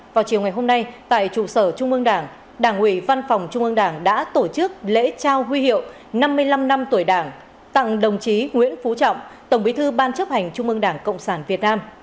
vào chiều ngày hôm nay tại trụ sở trung ương đảng đảng ủy văn phòng trung ương đảng đã tổ chức lễ trao huy hiệu năm mươi năm năm tuổi đảng tặng đồng chí nguyễn phú trọng tổng bí thư ban chấp hành trung ương đảng cộng sản việt nam